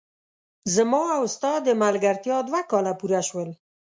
زما او ستا د ملګرتیا دوه کاله پوره شول!